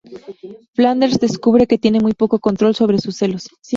Flanders descubre que tiene muy poco control sobre sus celos.